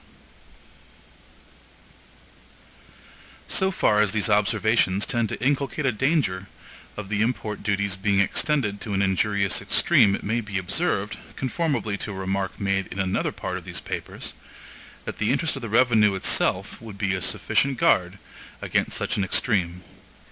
So far as these observations tend to inculcate a danger of the import duties being extended to an injurious extreme it may be observed, conformably to a remark made in another part of these papers, that the interest of the revenue itself would be a sufficient guard against such an extreme.